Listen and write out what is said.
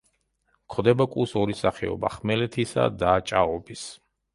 გვხვდება კუს ორი სახეობა: ხმელეთისა და ჭაობის.